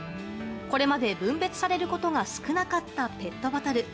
これまで分別されることが少なかったペットボトル。